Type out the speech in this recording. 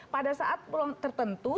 pada saat belum tertentu